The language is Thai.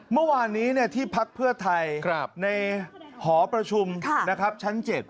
เมื่อวานนี้ที่พักเพื่อไทยในหอประชุมชั้น๗